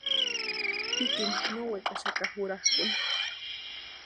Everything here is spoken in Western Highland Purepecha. Jikini no wekaxaka jurakʼuni.